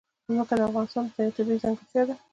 ځمکه د افغانستان یوه طبیعي ځانګړتیا ده.